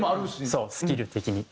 そうスキル的に。